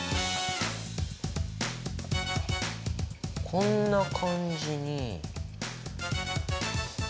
こんな感じに。